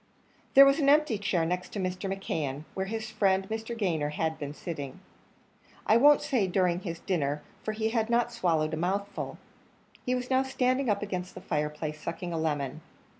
There was an empty chair next Mr. McKeon, where his friend Mr. Gayner had been sitting I won't say during his dinner, for he had not swallowed a mouthful. He was now standing up against the fireplace, sucking a lemon.